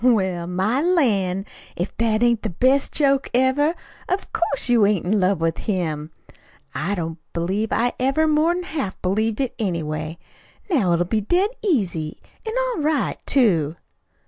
"Well, my lan', if that ain't the best joke ever! Of course, you ain't in love with him! I don't believe I ever more 'n half believed it, anyway. Now it'll be dead easy, an' all right, too."